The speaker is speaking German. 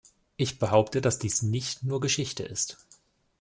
Ich behaupte, dass dies nicht nur Geschichte ist.